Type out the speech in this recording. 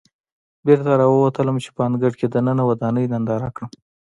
بېرته راووتلم چې په انګړ کې دننه ودانۍ ننداره کړم.